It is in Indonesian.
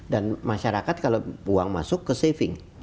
dan masyarakat kalau uang masuk ke saving